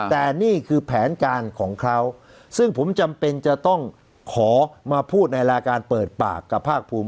แต่นี่คือแผนการของเขาซึ่งผมจำเป็นจะต้องขอมาพูดในรายการเปิดปากกับภาคภูมิ